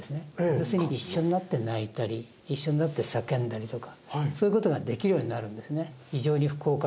要するに一緒になって泣いたり一緒になって叫んだりとかそういうことができるようになるんですね